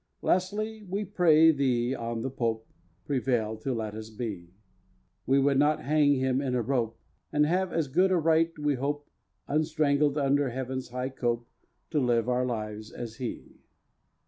Lastly, we pray thee, on the Pope Prevail to let us be; We would not hang him in a rope, And have as good a right, we hope, Unstrangled under heaven's high cope, To live our lives as he.